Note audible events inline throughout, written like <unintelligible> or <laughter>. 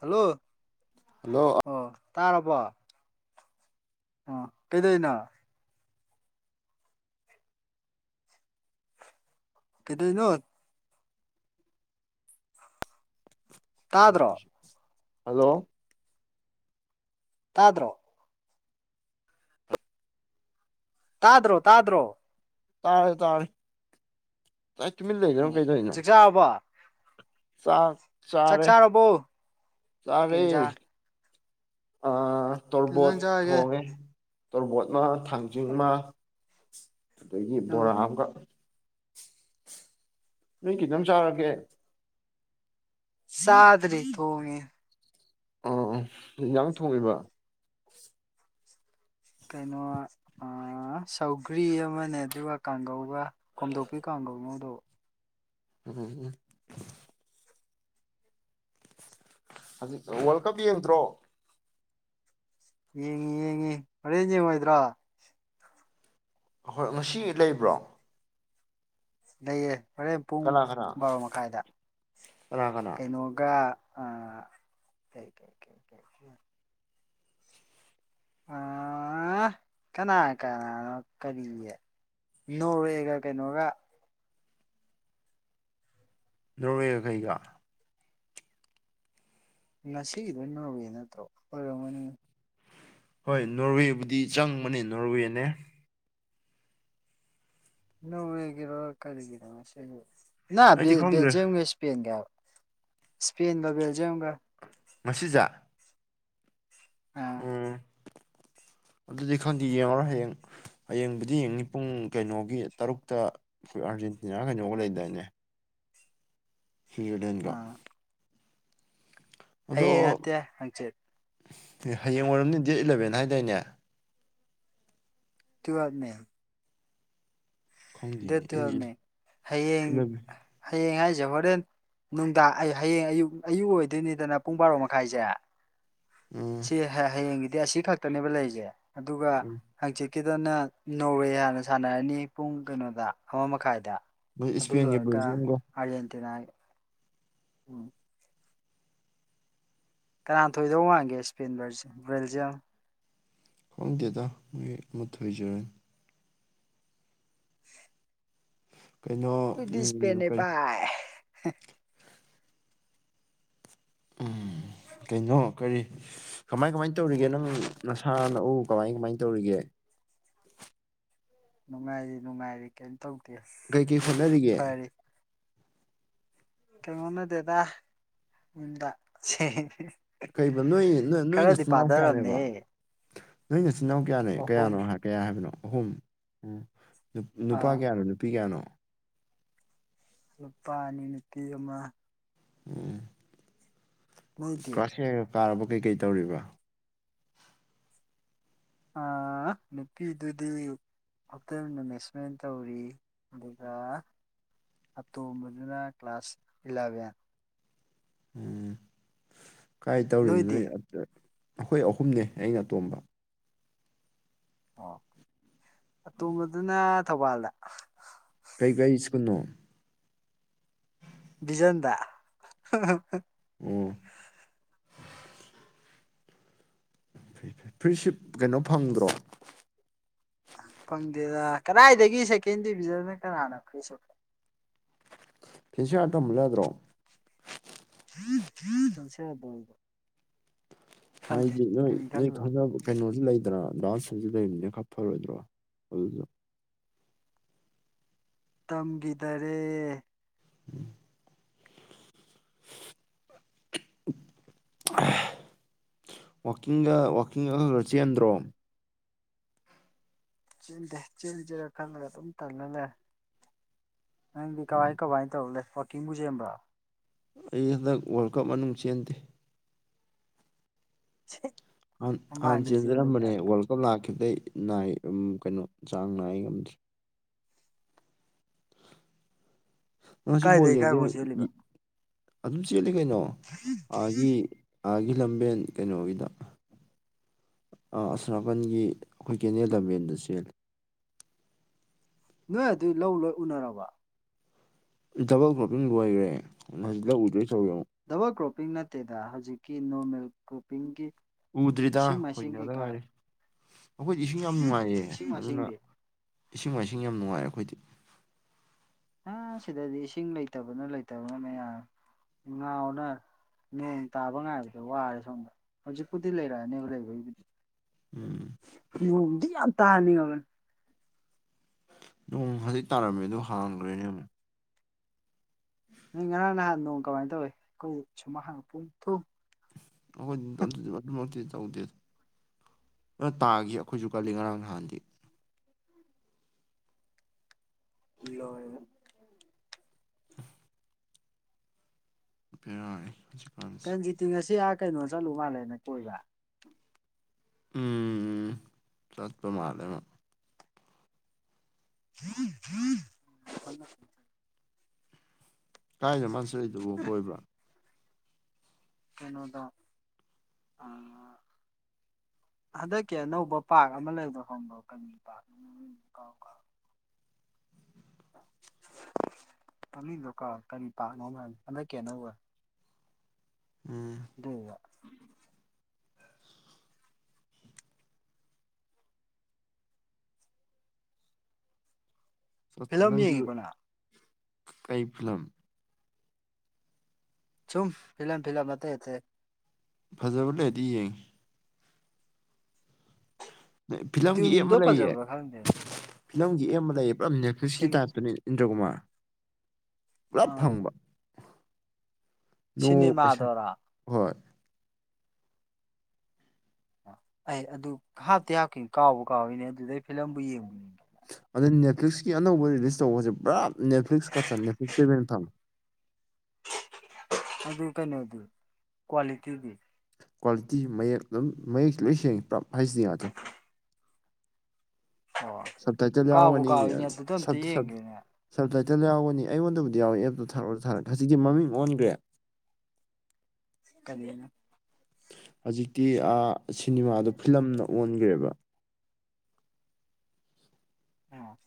hello hello ꯑꯣ ꯇꯥꯔꯕꯣ ꯑꯥ ꯀꯩꯗꯨꯢꯅꯣ ꯀꯩꯗꯣꯢꯅꯣ ꯇꯥꯗ꯭ꯔꯣ ꯍꯜꯂꯣ ꯇꯥꯗ꯭ꯔꯣ ꯇꯥꯗ꯭ꯔꯣ ꯇꯥꯗ꯭ꯔꯣ ꯇꯥꯔꯦ ꯇꯥꯔꯦ ꯀꯩꯅꯣ ꯇꯨꯃꯤꯟ ꯂꯩꯔꯤꯁꯤꯅ ꯑꯣ ꯀꯩꯗꯧꯔꯤꯅꯣ ꯆꯥꯛ ꯆꯥꯔꯕꯣ ꯆꯥꯛ ꯆꯥꯛ ꯆꯔꯦ ꯆꯥꯔꯕꯣ ꯀꯩ ꯆꯔꯦ ꯏꯟꯖꯥꯡ ꯑ ꯀꯩ ꯇꯣꯔꯕꯣꯠ ꯏꯟꯖꯥꯡ ꯆꯥꯔꯒꯦ ꯊꯣꯡꯉꯦ ꯇꯣꯔꯕꯣꯠ ꯃ ꯊꯥꯡꯖꯤꯡ ꯃ ꯑꯗꯒꯤ ꯑꯣ ꯕꯣꯔꯥ ꯑꯃꯒ ꯅꯣꯏ ꯀꯩꯖꯥꯡ ꯆꯥꯔꯒꯦ ꯆꯥꯗ꯭ꯔꯤ ꯊꯣꯡꯉꯤ ꯑꯣ ꯑꯣ ꯏꯟꯖꯥꯡ ꯊꯣꯡꯉꯤꯕ ꯀꯩꯅꯣ ꯁꯧꯒ꯭ꯔꯤ ꯑꯃꯅꯦ ꯑꯗꯨꯒ ꯀꯥꯡꯒꯧꯒ ꯈꯣꯝꯗꯣꯛꯄꯤ ꯀꯥꯡꯒꯧ ꯉꯧꯗꯧꯕ ꯎꯝ ꯎꯝ ꯍꯧꯖꯤꯛ ꯋꯥꯔꯜ ꯀꯞ ꯌꯦꯡꯗ꯭ꯔꯣ ꯌꯦꯡꯉꯤ ꯌꯦꯡꯉꯤ ꯍꯣꯔꯦꯟ ꯌꯦꯡꯉꯣꯏꯗ꯭ꯔꯣ ꯑ ꯍꯣꯏ ꯉꯁꯤ ꯂꯩꯕ꯭ꯔꯣ ꯂꯩꯌꯦ ꯍꯣꯔꯦꯟ ꯄꯨꯡ ꯀꯅꯥ ꯀꯅꯥ ꯕꯥꯔꯣ ꯃꯈꯥꯏꯗ ꯀꯅꯥ ꯀꯅꯥ ꯀꯩꯅꯣꯒ ꯑ ꯀꯩ ꯀꯩ ꯀꯩ ꯑꯥ ꯀꯅꯥ ꯀꯅꯥꯅꯣ ꯀꯔꯤꯌꯦ ꯅꯣꯔꯋꯦꯒ ꯀꯩꯅꯣꯒ ꯅꯣꯋꯦꯒ ꯀꯩꯒꯥ ꯉꯁꯤꯒꯤꯗꯣ ꯅꯣꯔꯋꯦ ꯅꯠꯇ꯭ꯔꯣ ꯑꯣꯢꯔꯝꯒꯅꯤ ꯍꯣꯏ ꯅꯣꯔꯋꯦꯕꯨꯗꯤ ꯆꯪꯕꯅꯦ ꯅꯣꯔꯋꯦꯅꯦ ꯅꯣꯔꯋꯦ ꯒꯤꯔꯣ ꯀꯔꯤꯒꯤꯅꯣ ꯁꯤꯕꯨ ꯑꯩꯗꯤ ꯈꯪꯗ꯭ꯔꯦ ꯕꯦꯜꯖꯤꯌꯝꯒ ꯏꯁꯄꯦꯟꯒ ꯍꯥꯏꯕ ꯏꯁꯄꯦꯟꯒ ꯕꯦꯜꯖꯤꯝꯒ ꯃꯁꯤꯖꯦ ꯑꯥ ꯑꯗꯨꯗꯤ ꯈꯪꯗꯦ ꯌꯦꯡꯉꯔꯣꯢ ꯍꯌꯦꯡ ꯍꯌꯦꯡꯕꯨꯗꯤ ꯌꯦꯡꯅꯤ ꯄꯨꯡ ꯀꯩꯅꯣꯒꯤ ꯇꯔꯨꯛꯇ ꯑꯩꯈꯣꯏ ꯑꯥꯔꯖꯦꯟꯇꯤꯅꯥꯒ ꯀꯩꯅꯣꯒ ꯂꯩꯗꯥꯏꯅꯦ ꯍꯤꯔꯗꯦꯟꯒ <inaudible> ꯑꯥ ꯑꯗꯣ ꯍꯌꯦꯡ ꯅꯠꯇꯦ ꯍꯪꯆꯤꯠ ꯍꯌꯦꯡ ꯑꯣꯏꯔꯝꯅꯤ ꯗꯦꯠ ꯏꯂꯚꯦꯟ ꯍꯥꯏꯗꯥꯏꯅꯦ ꯇꯨꯌꯦꯜꯞꯅꯦ ꯗꯦꯠ ꯈꯪꯗꯦꯅꯦ ꯑꯩ ꯇꯨꯋꯦꯜꯚꯅꯦ ꯍꯌꯦꯡ ꯏꯂꯚꯦꯟ ꯍꯌꯦꯡ ꯍꯥꯏꯁꯦ ꯍꯣꯔꯦꯟ ꯅꯨꯡꯗꯥꯡ ꯍꯌꯦꯡ ꯑꯌꯨꯛ ꯑꯌꯨꯛ ꯑꯣꯏꯗꯣꯏꯅꯤꯗꯅ ꯄꯨꯡ ꯕꯥꯔꯣ ꯃꯈꯥꯏꯁꯦ ꯎꯝ ꯁꯤ ꯍꯌꯦꯡꯒꯤꯗꯤ ꯑꯁꯤ ꯈꯛꯇꯅꯦꯕ ꯂꯩꯔꯤꯖꯦ ꯑꯗꯨꯒ ꯎꯝ ꯍꯪꯆꯤꯠꯀꯤꯗꯨꯅ ꯅꯣꯔꯋꯦ ꯍꯥꯟꯅ ꯁꯥꯟꯅꯔꯅꯤ ꯄꯨꯡ ꯀꯩꯅꯣꯗ ꯑꯃ ꯃꯈꯥꯏꯗ ꯃꯣꯏ ꯑꯗꯨ ꯏꯁꯄꯦꯟꯒ ꯂꯣꯢꯔꯒ ꯕꯦꯜꯖꯤꯌꯝꯒ ꯑꯔꯖꯦꯟꯇꯤꯅꯥ ꯎꯝ ꯀꯅꯥꯅꯥ ꯊꯣꯏꯗꯧ ꯃꯥꯟꯒꯦ ꯏꯁ꯭ꯄꯦꯟ ꯕꯦꯜꯖꯤꯌꯝ ꯈꯪꯗꯦꯗ ꯃꯣꯏ ꯑꯃ ꯊꯣꯏꯖꯔꯅꯤ <unintelligible> ꯀꯩꯅꯣ ꯑꯩꯈꯣꯢꯗꯤ ꯎꯝ ꯗꯤꯁꯄ꯭ꯂꯦꯅꯦ ꯀꯔꯤ ꯚꯥꯏ ꯎꯝ ꯀꯩꯅꯣ ꯀꯔꯤ ꯀꯃꯥꯏ ꯀꯃꯥꯏ ꯇꯧꯔꯤꯒꯦ ꯅꯪ ꯅꯁꯥ ꯅꯎꯨ ꯀꯃꯥꯏ ꯀꯃꯥꯏ ꯇꯧꯔꯤꯒꯦ ꯅꯨꯡꯉꯥꯏꯔꯤ ꯅꯨꯡꯉꯥꯏꯔꯤ ꯀꯦꯝ ꯇꯧꯗꯦ ꯀꯩꯀꯩ ꯑꯗꯨ ꯍꯣꯠꯅꯔꯤꯒꯦ ꯐꯔꯤ ꯀꯦꯝ ꯍꯣꯠꯅꯗꯦꯗꯥ ꯌꯨꯝꯗ ꯁꯦ ꯀꯩꯕ ꯅꯣꯏ ꯅꯣꯏꯅꯆꯤꯟ ꯏꯅꯥꯎ ꯀꯌꯥꯅꯦꯕ ꯄꯥꯊꯔꯝꯅꯦꯍꯦ ꯅꯣꯏꯅꯆꯤꯟ ꯏꯅꯥꯎ ꯀꯌꯥꯅꯦ ꯑꯍꯨꯝ ꯀꯌꯥꯅꯣ ꯍꯥꯏ ꯀꯌꯥ ꯍꯥꯏꯕꯅꯣ ꯑꯍꯨꯝ ꯑꯣ ꯅꯨ ꯅꯨꯄꯥ ꯑꯥ ꯀꯌꯥꯅꯣ ꯅꯨꯄꯤ ꯀꯌꯥꯅꯣ ꯅꯨꯄꯥ ꯑꯅꯤ ꯅꯨꯄꯤ ꯑꯃ ꯎꯝ ꯅꯣꯏꯗꯤ ꯀ꯭ꯂꯥꯁ ꯍ‌ꯦꯍ‌ꯦꯛ ꯀꯥꯔꯕꯣ ꯀꯩꯀꯩ ꯇꯧꯔꯤꯕ꯭ꯔꯥ ꯑꯥ ꯅꯨꯄꯤꯗꯨꯗꯤ ꯍꯣꯇꯦꯜ ꯃꯦꯅꯦꯖꯃꯦꯟ ꯇꯧꯔꯤ ꯑꯗꯨꯒ ꯑꯇꯣꯝꯕꯗꯨꯅ ꯀ꯭ꯂꯥꯁ ꯏꯂꯚꯦꯟ ꯎꯝ ꯀꯥꯏ ꯇꯧꯔꯤꯅꯣ ꯅꯣꯏꯗꯤ ꯅꯣꯏ ꯑꯗꯨꯗ ꯑꯩꯈꯣꯏ ꯑꯍꯨꯝꯅꯦ ꯑꯩꯅ ꯑꯇꯣꯝꯕ ꯑꯣ ꯑꯇꯣꯝꯕꯗꯨꯅ ꯊꯧꯕꯥꯜꯗ ꯀꯩꯀꯩ ꯁ꯭ꯀꯨꯟꯅꯣ ꯕꯤꯖꯟꯗ ꯑꯣ ꯐꯩꯐꯩ ꯐ꯭ꯔꯤꯁꯤꯞ ꯀꯩꯅꯣ ꯐꯪꯗ꯭ꯔꯣ ꯐꯪꯗꯦꯗ ꯀꯗꯥꯏꯗꯒꯤ ꯁꯦꯀꯦꯟ ꯗꯤꯕꯤꯖꯟꯅ ꯀꯅꯥꯅ ꯐꯔꯥꯟꯁꯤꯌꯥꯔ ꯇꯝꯍꯜꯂꯨ ꯌꯥꯗ꯭ꯔꯣ <inaudible> ꯈꯪꯗꯦ ꯍꯥꯏꯗꯤ ꯅꯣꯏ ꯀꯔꯤ ꯅꯣꯏ ꯈꯜꯂꯨꯔꯕ ꯈꯪꯅꯕ ꯀꯩꯅꯣꯁꯨ ꯂꯩꯗꯅ ꯗꯥ ꯔ‌‌ꯁꯟꯁꯨ ꯂꯩꯕꯅꯤꯅ ꯈꯔ ꯐꯔꯣꯏꯗ꯭ꯔꯣ ꯑꯗꯨꯁꯨ ꯇꯝꯒꯤꯗꯔꯦ ꯋꯥꯛꯀꯤꯡꯒ ꯋꯥꯛꯀꯤꯡꯒ ꯈꯔ ꯈꯔ ꯆꯦꯟꯗ꯭ꯔꯣ ꯆꯦꯟꯗꯦ ꯆꯦꯟꯁꯤꯔꯥ ꯈꯟꯕꯥꯅꯦ ꯑꯗꯨꯝ ꯇꯥꯟꯂ ꯂꯩꯔꯦ ꯅꯪꯗꯤ ꯀꯥꯏ ꯀꯃꯥꯏꯅ ꯇꯧꯔ ꯂꯩ ꯋꯥꯛꯀꯤꯡꯕꯨ ꯆꯦꯟꯕ꯭ꯔꯣ ꯑꯩ ꯍꯟꯗꯛ ꯋꯥꯔꯜ ꯀꯞ ꯃꯅꯨꯡ ꯆꯦꯟꯗꯦ ꯁꯤ ꯍꯥꯟꯅ ꯆꯦꯟꯖꯔꯝꯕꯅꯦ ꯋꯥꯔꯜ ꯀꯞ ꯂꯥꯛꯈꯤꯕꯗꯩ ꯅꯥꯏ ꯀꯩꯅꯣ ꯆꯥꯡ ꯅꯥꯏ ꯉꯝꯗ꯭ꯔꯦ ꯉꯁꯤ ꯕꯣꯜ ꯀꯥꯏꯗꯩ ꯌꯦꯡꯗꯨꯅ ꯀꯥꯏꯐꯥꯎ ꯆꯦꯜꯂꯤꯕ ꯑꯗꯨꯝ ꯆꯦꯜꯂꯤ ꯀꯩꯅꯣ ꯑꯥꯒꯤ ꯑꯥꯒꯤ ꯂꯝꯕꯦꯟ ꯀꯩꯅꯣꯒꯤꯗꯣ ꯑꯁꯣꯝ ꯅꯥꯄꯟꯒꯤ ꯑꯩꯈꯣꯏ ꯀꯦꯅꯦꯜ ꯂꯝꯕꯦꯟꯗ ꯆꯦꯜꯂꯤ ꯅꯣꯏ ꯑꯗꯨꯏ ꯂꯧ ꯂꯣꯏ ꯎꯅꯔꯕꯣ ꯗꯥꯕꯥꯜ ꯀꯔꯣꯞꯄꯤꯡ ꯂꯣꯏꯀ꯭ꯔꯦ ꯂꯧ ꯎꯗꯨꯏ ꯇꯧꯔꯤ ꯑꯃꯨꯛ ꯗꯕꯜ ꯀ꯭ꯔꯣꯞꯄꯤꯡ ꯅꯠꯇꯦꯗ ꯍꯧꯖꯤꯛꯀꯤ ꯅꯣꯔꯃꯦꯜ ꯀ꯭ꯔꯣꯞꯄꯤꯡꯒꯤ ꯎꯗ꯭ꯔꯤꯗ ꯏꯁꯤꯡ ꯃꯥꯏꯁꯤꯡ ꯈꯣꯏꯅꯗ ꯀꯩꯀꯥ ꯉꯥꯏꯔꯤ ꯑꯩꯈꯣꯏꯗꯤ ꯏꯁꯤꯡ ꯌꯥꯝ ꯅꯨꯡꯉꯥꯏꯌꯦ ꯏꯁꯤꯡ ꯑꯗꯨꯅ ꯃꯥꯏꯁꯤꯡꯗꯤ ꯏꯁꯤꯡ ꯃꯥꯏꯁꯤꯡ ꯌꯥꯝ ꯅꯨꯡꯉꯥꯏꯔꯦ ꯑꯩꯈꯣꯏꯗꯤ ꯑꯥ ꯁꯤꯗꯗꯤ ꯏꯁꯤꯡ ꯂꯩꯇꯕꯅ ꯂꯩꯇꯕꯅ ꯃꯌꯥꯝ ꯉꯥꯎꯅꯔꯦ ꯅꯣꯡ ꯇꯥꯕ ꯉꯥꯏꯕꯗ ꯋꯥꯔꯦ ꯁꯣꯝꯗ ꯍꯧꯖꯤꯛꯄꯨꯗꯤ ꯂꯩꯔꯛꯑꯅꯤ ꯍꯦꯔꯦꯟꯗꯩꯗꯤ <unintelligible> ꯌꯨꯗꯤ ꯌꯥꯝ ꯇꯥꯡꯉꯤ ꯃꯃꯥꯜ ꯅꯣꯡ ꯍꯧꯖꯤꯛ ꯇꯥꯔꯝꯃꯦ ꯑꯗꯨ ꯍꯥꯡꯒ꯭ꯔꯦꯅꯦ ꯑꯃꯨꯛ ꯅꯣꯏ ꯉꯔꯥꯡ ꯅꯍꯥꯟ ꯅꯣꯡ ꯀꯃꯥꯏꯅ ꯇꯧꯏ ꯑꯩꯈꯣꯏ ꯁꯨꯃꯥꯡꯒ ꯄꯨꯡꯊꯨꯝ ꯑꯩꯈꯣꯏ ꯌꯨꯝꯗ ꯑꯗꯨꯃꯛꯇꯤ ꯇꯧꯗꯦꯗ ꯈꯔꯇꯥꯒꯤ ꯑꯩꯈꯣꯏꯁꯨ ꯀꯜꯂꯤ ꯉꯔꯥꯡ ꯅꯍꯥꯟꯗꯤ ꯂ‌ꯣꯏꯔ‌ꯦ <unintelligible> ꯍꯧꯖꯤꯛ ꯀꯟꯖꯤꯇꯤ ꯉꯁꯤ ꯑꯥ ꯀꯩꯅꯣ ꯆꯠꯂꯨ ꯃꯥꯜꯂꯦꯅ‌ꯦ ꯀꯣꯏꯕ ꯎꯝ ꯆꯠꯄ ꯃꯥꯜꯂꯦ ꯃꯥ <unintelligible> <inaudible> ꯀꯥꯏꯗꯅ ꯃꯥꯅ ꯆꯠꯂꯤꯗꯨꯕꯨ ꯀꯣꯏꯕ ꯀꯩꯅꯣꯗ ꯑ ꯍꯟꯗꯛꯀꯤ ꯑꯅꯧꯕ ꯄꯥꯔꯛ ꯑꯃ ꯂꯩꯕ꯭ꯔꯥ ꯈꯪꯕ꯭ꯔꯣ ꯀꯕꯤ ꯄꯥꯛ <inaudible> ꯃꯃꯤꯡꯗ‌ꯣ ꯀꯥꯎ ꯀꯔꯤ ꯄꯥꯛꯅꯣꯝ ꯍꯥꯏꯕꯅꯤ ꯍꯟꯗꯛꯀꯤ ꯑꯅꯧꯕ ꯎꯝ <unintelligible> <inaudible> ꯐꯤꯂꯝ ꯅꯪꯒꯤ ꯌꯦꯡꯉꯤꯕꯣ ꯅꯪ ꯀꯩ ꯐꯤꯂꯝ ꯆꯨꯝ ꯐꯤꯂꯝ ꯐꯤꯂꯝ ꯑꯇꯩ ꯑꯇꯩ ꯐꯖꯕ ꯂꯩꯔꯗꯤ ꯌꯦꯡꯉꯤ ꯐꯤꯂꯝꯒꯤ ꯑꯦꯞ ꯗ꯭ꯌꯨꯟꯗꯣ ꯑꯃ ꯂꯩꯌꯦ ꯐꯖꯕ꯭ꯔꯥ ꯈꯪꯗꯦ ꯐꯤꯂꯝꯒꯤ ꯑꯦꯝ ꯑꯃ ꯂꯩꯌꯦ ꯄꯨꯔꯥ ꯅꯦꯠꯐ꯭ꯂꯤꯛꯁꯀꯤ ꯁꯤꯅꯦ ꯇꯥꯏꯞꯇꯅꯤ ꯏꯟꯗ꯭ꯔꯀꯨꯃꯥꯔ ꯄꯨꯂꯞ ꯑꯥ ꯐꯪꯕ ꯅꯣ ꯄꯩꯁꯥ ꯁꯤꯅꯦꯃꯥꯗꯔꯥ ꯍꯣꯏ ꯑꯩ ꯑꯗꯨ ꯍꯥꯞꯇꯤ ꯍꯥꯞꯈꯤꯝꯅꯤ ꯀꯥꯎꯕꯨ ꯀꯥꯎꯋꯤꯅꯦ ꯑꯗꯨꯗꯩ ꯐꯤꯂꯝꯕꯨ ꯌꯦꯡꯕꯨ ꯌ‌ꯦꯡ ꯑꯗ ꯅꯦꯠꯐ꯭ꯂꯤꯛꯁꯀꯤ ꯑꯅꯧꯕ ꯔꯤꯂꯤꯁ ꯇꯧꯕꯁꯦ ꯄꯨꯔꯥ ꯅꯦꯠꯐ꯭ꯂꯤꯛꯁ ꯀꯠꯆꯅ‌ꯦ <inaudible> ꯑꯗꯨ ꯀꯩꯅꯣꯗꯨ ꯀ꯭ꯋꯥꯂꯤꯇꯤꯗꯤ ꯀ꯭ꯋꯥꯂꯤꯇꯤ ꯃꯌꯦꯛ ꯑꯗꯨꯝ ꯃꯌꯦꯛꯁꯤ ꯂꯣꯏ ꯁꯦꯡꯉꯤ ꯄꯨꯔꯞ ꯍꯩꯁꯗꯤ ꯉꯥꯛꯇꯅꯤ ꯑꯣ ꯁꯕꯇꯥꯏꯇꯜ ꯀꯥꯎꯕꯨ ꯌꯥꯎꯒꯅꯤ ꯀꯥꯎꯏꯅꯦ ꯑꯥ ꯑꯗꯨꯗ ꯑꯝꯇ ꯁꯕ ꯁꯕ ꯌꯦꯡꯒꯦꯅꯦ ꯁꯞꯇꯥꯏꯇꯜ ꯌꯥꯎꯒꯅꯤ ꯑꯩꯉꯣꯟꯗꯕꯨꯗꯤ ꯌꯥꯎꯋꯦ ꯑꯦꯞꯇꯣ ꯊꯥꯔ‌ꯣꯁꯨ ꯊꯥꯔꯛꯒꯦ ꯍꯧꯖꯤꯛꯇꯤ ꯃꯃꯤꯡ ꯑꯣꯟꯈ꯭ꯔꯦ ꯀꯔꯤꯅ ꯍꯧꯖꯤꯛꯇꯤ ꯑꯥ ꯁꯤꯅꯤꯃꯥꯗ‌ꯣ ꯐꯤꯂꯝꯅ ꯑꯣꯟꯈ꯭ꯔꯦꯕ ꯑꯣ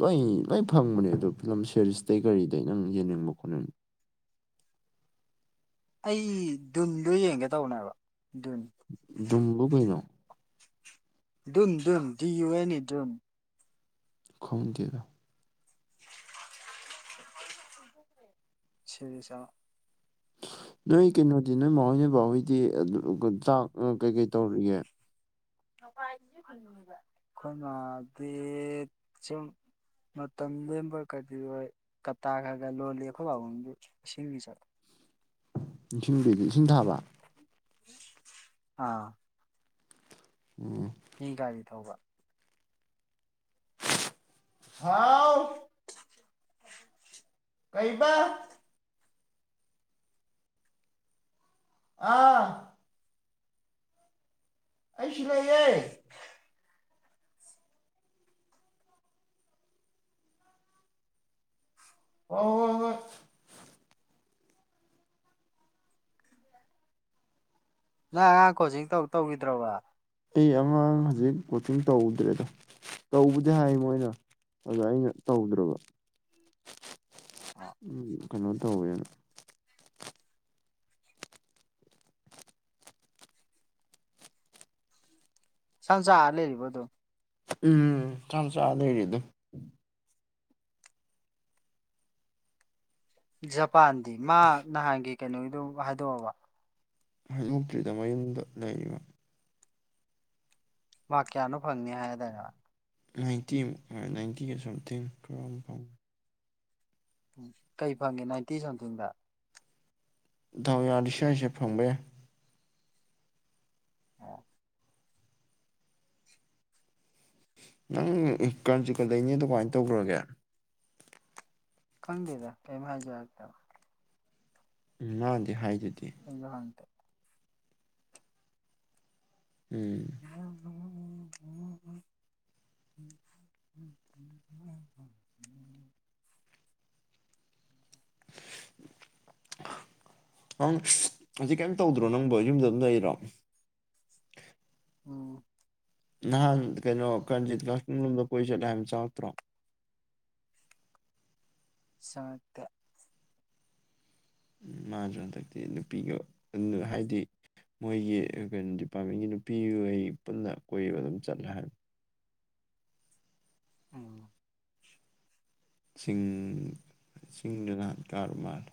ꯂꯣꯏ ꯂꯣꯏ ꯐꯪꯕꯅꯦ ꯑꯗꯨꯗꯣ ꯐꯤꯂꯝ ꯁꯦꯔꯤꯁꯇꯩꯩ ꯀꯔꯤꯗꯩ ꯅꯪ ꯌꯦꯡꯅꯤꯡꯕ ꯈꯣꯠꯅꯤꯡ ꯑꯩ ꯗꯨꯟꯗꯣ ꯌꯦꯡꯒꯦ ꯇꯧꯕꯅꯦꯕ ꯗꯨꯟ ꯨꯗꯨꯟꯕꯨ ꯀꯩꯅꯣ ꯗꯨꯟ ꯐꯤꯂꯝ ꯗꯤꯌꯨ ꯑꯦꯟ ꯏ ꯗꯨꯟ ꯈꯪꯗꯦꯗ <inaudible> <unintelligible> ꯅꯣꯏ ꯀꯩꯅꯣꯗꯤ ꯅꯣꯏ ꯃꯍꯣꯏ ꯅꯣꯢꯕꯥ ꯍꯣꯏꯗꯤ ꯆꯥꯛ ꯀꯩꯀꯩ ꯇꯧꯔꯤꯒꯦ ꯑꯈꯣꯢ ꯃꯥꯗꯤ ꯆꯨꯝ ꯃꯇꯝ ꯂꯦꯟꯕ ꯀꯔꯤꯑꯣꯢ ꯀꯇꯥ ꯈꯔ ꯈꯔ ꯂꯣꯜꯂꯤ ꯑꯩꯈꯣꯏ ꯄꯕꯡꯗꯤ ꯏꯁꯤꯡ ꯆꯠ ꯏꯁꯤꯡꯕꯗꯤ ꯏꯁꯤꯡ ꯊꯥꯕ ꯑꯥ ꯎꯝ ꯃꯤ ꯒꯥꯔꯤ ꯊꯧꯕ ꯊꯥꯎ ꯀꯩꯕ ꯑꯥ ꯑꯩ ꯁꯤ ꯂꯩꯌꯦ ꯍ‌ꯣꯍ‌ꯣꯍ‌ꯣꯏ ꯅꯪ ꯑꯉꯥꯡ ꯀꯣꯆꯤꯡ ꯇꯧ ꯇꯧꯈꯤꯗ꯭ꯔꯕ ꯑꯩ ꯑꯉꯥꯡ ꯍꯧꯖꯤꯛ ꯀꯣꯆꯤꯡ ꯇꯧꯗ꯭ꯔꯦꯗ ꯇꯧꯕꯨꯗꯤ ꯍꯥꯏ ꯃꯣꯏꯅ ꯑꯗ ꯑꯩꯅ ꯇꯧꯗ꯭ꯔꯕ ꯎꯝ ꯀꯩꯅꯣ ꯇꯧꯋꯦꯅ ꯁꯥꯝꯆꯥ ꯑꯥ ꯂꯩꯔꯤꯕꯗꯨꯨ ꯎꯝ ꯁꯥꯝꯆ ꯑꯥ ꯂꯩꯔꯤ ꯑꯗꯨꯝ ꯖꯄꯥꯟꯗꯤ ꯃꯥ ꯅꯍꯥꯟꯒꯤ ꯀꯩꯅꯣꯒꯤꯗꯣ ꯍꯥꯏꯗꯣꯛꯑꯕ ꯍꯩꯗꯣꯛꯇ꯭ꯔꯤꯗ ꯃꯌꯨꯝꯗ ꯂꯩꯔꯤꯕ ꯃꯥ꯭ꯔꯛ ꯀꯌꯥꯅꯣ ꯐꯪꯅꯤ ꯍꯥꯏꯗꯔꯦ ꯅꯥꯏꯟꯇꯤꯃꯨꯛ ꯅꯥꯏꯟꯇꯤꯒ ꯁꯝꯊꯤꯡ ꯄꯨꯔ ꯑꯃ ꯐꯪꯉꯦ ꯀꯩ ꯐꯪꯒꯦ ꯅꯥꯏꯟꯇꯤ ꯁꯝꯊꯤꯡꯗ ꯗꯥꯎ ꯌꯥꯔꯗꯤ ꯁꯤ ꯋꯥꯏ ꯁꯦꯞ ꯐꯪꯕ ꯌꯥꯏ ꯑꯣ ꯅꯪ ꯀꯟꯖꯤꯠꯀ ꯂꯩꯅꯤ ꯑꯗꯣ ꯀꯃꯥꯏꯅ ꯇꯧꯈ꯭ꯔꯒꯦ ꯈꯪꯗꯦꯗ ꯀꯩꯝ ꯍꯥꯏꯖꯧ ꯍꯥꯢꯔꯛꯇꯕ ꯎꯝ ꯃꯥꯗꯤ ꯍꯥꯏꯗꯨꯗꯤ <unintelligible> ꯎꯝ <inaudible> ꯅꯪ ꯍꯧꯖꯤꯛ ꯀꯩꯝ ꯇꯧꯗ꯭ꯔꯣ ꯅꯪꯕꯨ ꯌꯨꯝꯗ ꯑꯗꯨꯝ ꯂꯩꯔꯣ ꯎꯝ ꯅꯍꯥꯟ ꯀꯩꯅꯣ ꯀꯔꯅꯖꯤꯠ ꯀꯥꯛꯆꯤꯡꯂꯣꯝꯗ ꯀꯣꯏ ꯁꯠꯂꯦ ꯍꯥꯏ ꯆꯪꯉꯛꯇ꯭ꯔꯣ ꯆꯉꯛꯇꯦ ꯃꯥꯁꯨ ꯍꯟꯗꯛꯇꯤ ꯅꯨꯄꯤꯒ <unintelligible> ꯍꯥꯏꯗꯤ ꯃꯣꯏꯒꯤ ꯀꯩꯅꯣ ꯗꯤꯄꯥꯔꯠꯃꯦꯟꯒꯤ ꯅꯨꯄꯤꯈ ꯄꯨꯟꯅ ꯀꯣꯏꯕ ꯑꯗꯨꯝ ꯆꯠꯂꯦ ꯍꯥꯏꯕ ꯎꯝ ꯆꯤꯡ ꯆꯤꯡꯗ ꯅꯍꯥꯟ ꯀꯥꯔꯨ ꯃꯥꯜꯂꯦ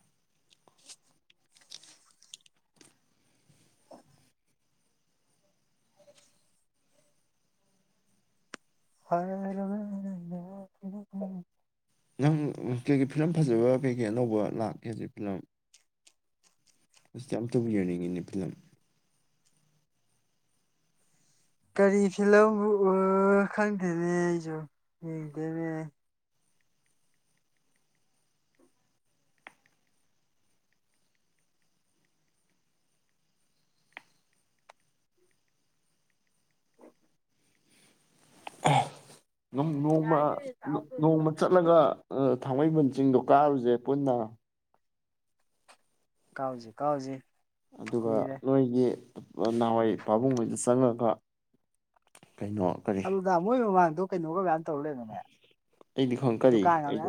<unintelligible> <unintelligible> ꯅꯪ ꯀꯩꯀꯩ ꯐꯤꯂꯝ ꯐꯖꯕ ꯀꯩꯀꯩ ꯑꯅꯧꯕ ꯂꯥꯛꯀꯦ ꯍꯧꯖꯤꯛ ꯐꯤꯂꯝ ꯍꯧꯖꯤꯛ ꯑꯝꯇꯕꯨ ꯌꯦꯡꯅꯤꯡꯉꯤꯅꯦ ꯐꯤꯂꯝ ꯀꯔꯤ ꯐꯤꯂꯝꯕꯨ <unintelligible> ꯈꯪꯗꯦꯅꯦ ꯑꯩꯁꯨ ꯌꯦꯡꯗꯦꯅꯦ ꯅꯣꯡꯃ ꯅꯣꯡꯃ ꯆꯠꯂꯒ ꯊꯥꯡꯃꯩꯕꯟ ꯆꯤꯡꯗꯣ ꯀꯥꯔꯨꯁꯦ ꯄꯨꯟꯅ ꯀꯥꯎꯖꯦ ꯀꯥꯎꯖꯦ ꯑꯗꯨꯒ ꯅꯣꯏꯒꯤ ꯅꯍꯥꯟꯋꯥꯏ ꯄꯥꯕꯨꯡꯍꯣꯢꯗ ꯆꯪꯉꯒ ꯀꯩꯅꯣ ꯀꯔꯤ ꯑꯗꯨꯗ ꯃꯣꯏ ꯃꯃꯥꯡꯗꯣ ꯀꯩꯅꯣꯒ ꯃꯌꯥꯝ ꯇꯧꯔ ꯂꯩꯔꯝꯃꯦꯅꯦ ꯑꯩꯗꯤ ꯈꯪ ꯀꯔꯤ ꯑꯩ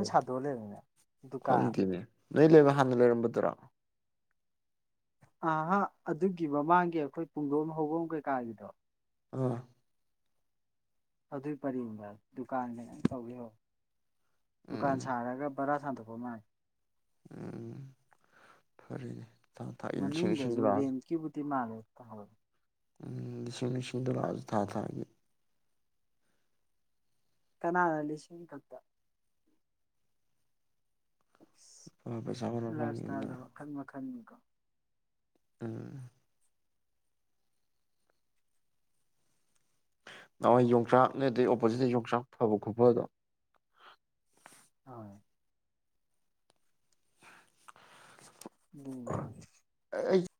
ꯗꯨꯀꯥꯟ ꯈꯪꯗꯦꯅꯦ ꯅꯣꯏ ꯂꯩꯕ ꯍꯥꯟꯅ ꯂꯩꯔꯝꯕꯗꯨꯔꯣ ꯑꯍ ꯑꯗꯨꯒꯤ ꯃꯃꯥꯡꯒꯤ ꯑꯩꯈꯣꯏ ꯄꯨꯡꯗꯣꯝ ꯍꯧꯧꯕꯣꯝ ꯀꯩꯀꯥꯒꯤꯗꯣ ꯑꯥ ꯑꯗꯨꯏ ꯄꯔꯦꯡꯗ ꯗꯨꯀꯥꯟꯗ ꯇꯧꯤꯔꯣ ꯗꯨꯀꯥꯟ ꯎꯝ ꯁꯥꯔꯒ ꯄꯔꯥ ꯁꯥꯟꯗꯕ ꯃꯥ ꯎꯝ ꯐꯔꯅꯦ ꯊ ꯊ ꯏꯁꯤꯡꯁꯤꯡꯁꯤ ꯂꯥꯛꯑ ꯀꯕꯨꯗꯤ ꯃꯥꯜꯂꯦ ꯍ ꯎ ꯂꯤꯁꯤꯡ ꯂꯤꯁꯤꯡꯗ ꯂꯥꯛ ꯑꯖꯨ ꯊꯥ ꯊꯥꯒꯤ ꯀꯅꯥꯅ ꯂꯤꯁꯤꯡ ꯈꯛꯇ ꯑ, ꯄꯩꯁꯥ ꯈꯔ ꯂꯥꯏꯞ ꯐꯪꯉꯤꯗꯅ ꯏꯁꯇꯥꯏꯜꯗ ꯃꯈꯟ ꯃꯈꯟꯅꯤꯀꯣ ꯎꯝ ꯅꯍꯥꯋꯥꯏ ꯌꯣꯡꯆꯥꯛꯅꯦ ꯑꯗꯩ ꯑꯣꯄꯣꯖꯤꯠꯇ ꯌꯣꯡꯆꯥꯛ ꯐꯕ ꯈꯨꯐꯗꯣ ꯑꯣ ꯎꯝ <inaudible>